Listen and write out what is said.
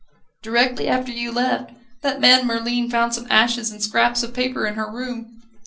"Directly after you left. That man Merlin found some ashes and scraps of paper in her room